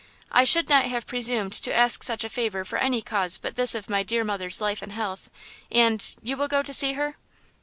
I should not have presumed to ask such a favor for any cause but this of my dear mother's life and health, and–you will go to see her?"